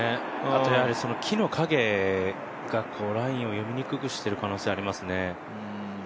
木の影がラインを読みにくくしている可能性がありますね。